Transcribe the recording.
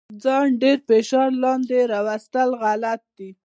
ځان تر ډیر فشار لاندې راوستل غلط دي.